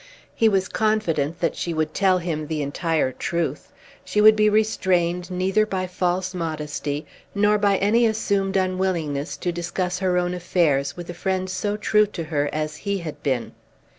He was confident that she would tell him the entire truth. She would be restrained neither by false modesty, nor by any assumed unwillingness to discuss her own affairs with a friend so true to her as he had been.